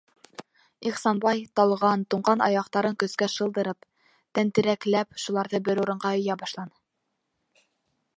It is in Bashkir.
Ихсанбай, талған, туңған аяҡтарын көскә шылдырып, тәнтерәкләп, шуларҙы бер урынға өйә башланы.